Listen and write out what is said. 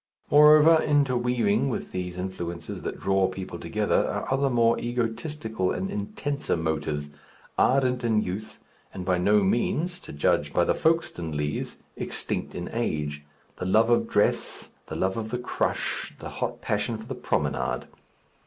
Moreover, interweaving with these influences that draw people together are other more egotistical and intenser motives, ardent in youth and by no means to judge by the Folkestone Leas extinct in age, the love of dress, the love of the crush, the hot passion for the promenade.